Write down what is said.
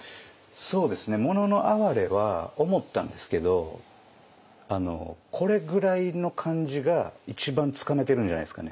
そうですね「もののあはれ」は思ったんですけどこれぐらいの感じが一番つかめてるんじゃないですかね。